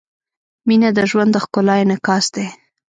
• مینه د ژوند د ښکلا انعکاس دی.